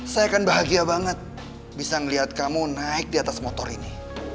saya kan bahagia banget bisa ngeliat kamu naik di atas motor ini